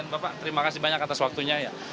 oke ibu dan bapak terima kasih banyak atas waktunya ya